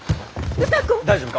大丈夫か？